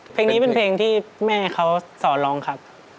เพลงนี้เป็นเพลงที่แม่เขาสอนร้องครับ